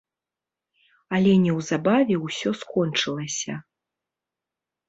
Але неўзабаве ўсё скончылася.